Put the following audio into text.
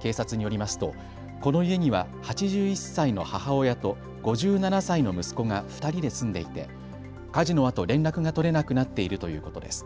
警察によりますとこの家には８１歳の母親と５７歳の息子が２人で住んでいて火事のあと連絡が取れなくなっているということです。